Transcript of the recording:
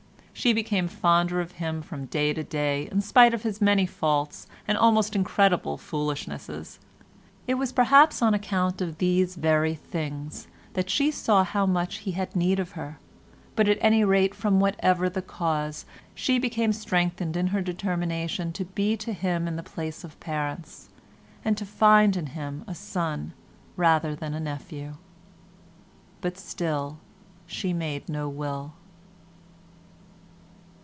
She became fonder of him from day to day in spite of his many faults and almost incredible foolishnesses. It was perhaps on account of these very things that she saw how much he had need of her; but at any rate, from whatever cause, she became strengthened in her determination to be to him in the place of parents, and to find in him a son rather than a nephew. But still she made no will.